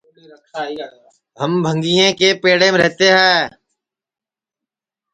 ہم بھنٚگیں کے پیڑیم رہتے ہے